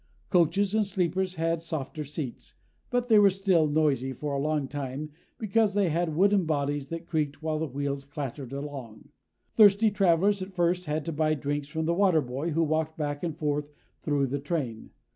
Coaches and sleepers had softer seats, but they were still noisy for a long time because they had wooden bodies that creaked while the wheels clattered along. Thirsty travelers at first had to buy drinks from the water boy who walked back and forth through the train.